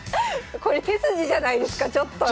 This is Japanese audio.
これ手筋じゃないですかちょっと！